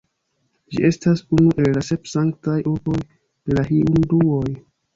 Ĝi estas unu el la sep sanktaj urboj de la hinduoj.